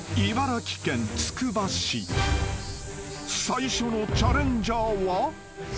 ［最初のチャレンジャーは］